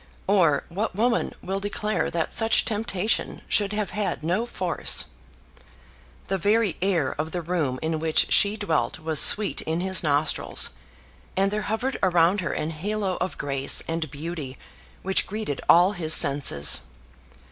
Or what woman will declare that such temptation should have had no force? The very air of the room in which she dwelt was sweet in his nostrils, and there hovered around her an halo of grace and beauty which greeted all his senses.